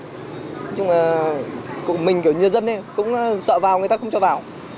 nói chung là cục mình kiểu như dân ấy cũng sợ vào người ta không cho vào